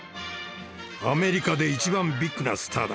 アメリカで一番ビッグなスターだ。